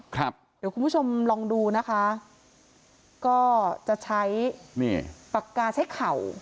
เดี๋ยวคุณผู้ชมลองดูนะคะก็จะใช้นี่ปากกาใช้เข่า